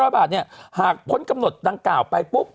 ๐บาทเนี่ยหากพ้นกำหนดดังกล่าวไปปุ๊บ